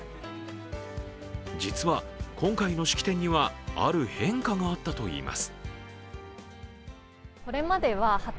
実は、今回の式典にはある変化があったといいます。